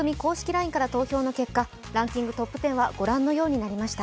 ＬＩＮＥから投票の結果、ランキングトップ１０はご覧のようになりました